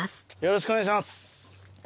よろしくお願いします。